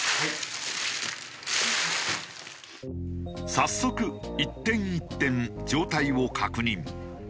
早速一点一点状態を確認。